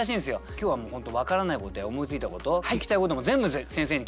今日はもう本当分からないことや思いついたこと聞きたいことも全部先生に聞いて頂ければ。